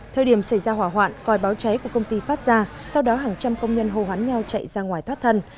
thời điểm xảy ra hỏa hoạn coi báo cháy của công ty phát ra sau đó hàng trăm công nhân hồ hoán nhau chạy ra ngoài thoát thân